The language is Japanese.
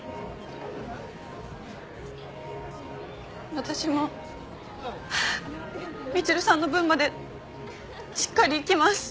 私もみちるさんの分までしっかり生きます。